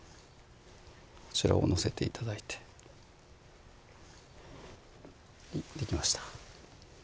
こちらを載せて頂いてはいできました